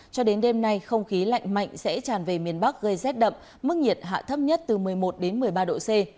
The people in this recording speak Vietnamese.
cho đến đêm nay không khí lạnh mạnh sẽ tràn về miền bắc gây rét đậm mức nhiệt hạ thấp nhất từ một mươi một đến một mươi ba độ c